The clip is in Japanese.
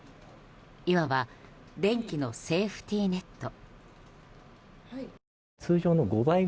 いわば電気のセーフティーネット。